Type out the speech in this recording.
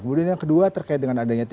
kemudian yang kedua terkait dengan adanya tiga